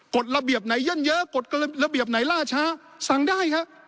กฎระเบียบไหนยั่นเยอะกฎระเบียบไหนล่าช้าสั่งได้ครับ